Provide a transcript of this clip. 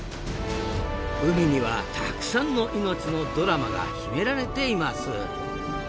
海にはたくさんの命のドラマが秘められています。